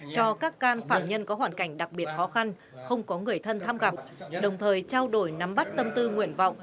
cho các can phạm nhân có hoàn cảnh đặc biệt khó khăn không có người thân tham gặp đồng thời trao đổi nắm bắt tâm tư nguyện vọng